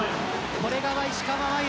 これが石川真佑